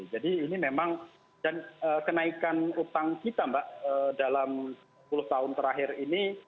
jadi ini memang dan kenaikan utang kita mbak dalam sepuluh tahun terakhir ini